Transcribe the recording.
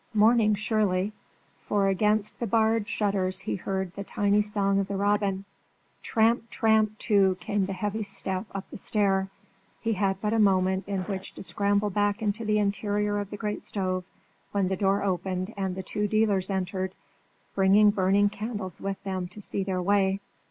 Morning, surely; for against the barred shutters he heard the tiny song of the robin. Tramp, tramp, too, came a heavy step up the stair. He had but a moment in which to scramble back into the interior of the great stove, when the door opened and the two dealers entered, bringing burning candles with them to see their way.